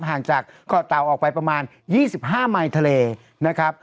ห่างจากเกาะเตาออกไปประมาณ๒๕ไมล์ทะเลนะครับ